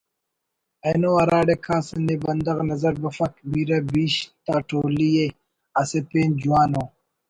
اینو ہراڑے کاس نے بندغ نظر بفک بیرہ بیش تا ٹولیءِ اسہ پین جوان ءُ